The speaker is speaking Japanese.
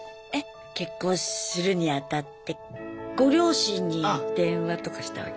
結婚するにあたってご両親に電話とかしたわけ？